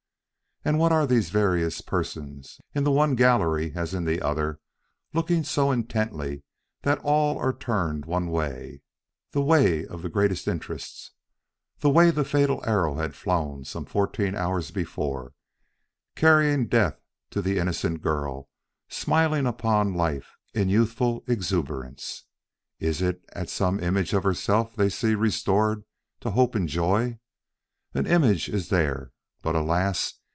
At what are these various persons, in the one gallery as in the other, looking so intently that all are turned one way the way of greatest interest the way the fatal arrow had flown some fourteen hours before, carrying death to the innocent girl smiling upon life in youthful exuberance? Is it at some image of herself they see restored to hope and joy? An image is there, but alas!